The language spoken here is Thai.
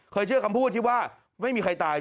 เชื่อคำพูดที่ว่าไม่มีใครตาย